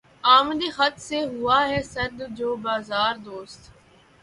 آمدِ خط سے ہوا ہے سرد جو بازارِ دوست